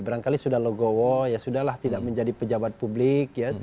barangkali sudah logowo ya sudah lah tidak menjadi pejabat publik